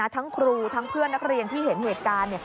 ทั้งครูทั้งเพื่อนนักเรียนที่เห็นเหตุการณ์